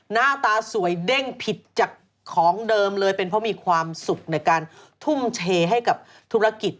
หน้าตาสวยเด้งผิดจากของเดิมเลยเป็นเพราะมีความสุขในการทุ่มเทให้กับธุรกิจ